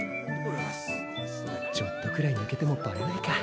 ちょっとくらいぬけてもバレないか。